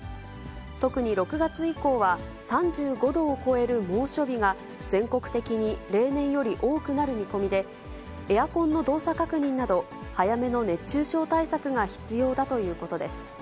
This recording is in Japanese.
特に６月以降は３５度を超える猛暑日が全国的に例年より多くなる見込みで、エアコンの動作確認など、早めの熱中症対策が必要だということです。